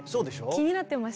気になってました。